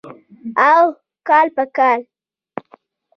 اوح کال په کال.